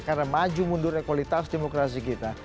karena maju mundur ekualitas demokrasi kita